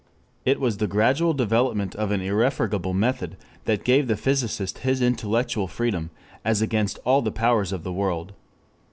It was the gradual development of an irrefragable method that gave the physicist his intellectual freedom as against all the powers of the world.